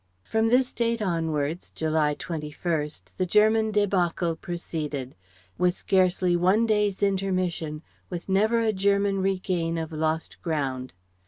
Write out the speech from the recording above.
From this date onwards July 21 the German débacle proceeded, with scarcely one day's intermission, with never a German regain of lost ground.